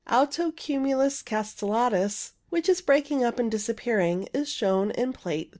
Alto cumulus castellatus, which is breaking up and disappearing, is shown in Plate 33.